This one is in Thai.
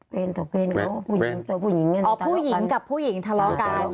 เป็นต่อเป็นผู้หญิงกับผู้หญิงทะเลาะกัน